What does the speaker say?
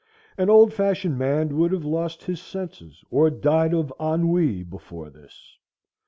An old fashioned man would have lost his senses or died of ennui before this.